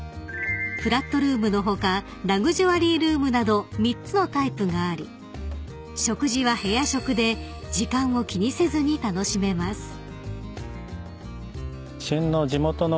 ［フラットルームの他ラグジュアリールームなど３つのタイプがあり食事は部屋食で時間を気にせずに楽しめます］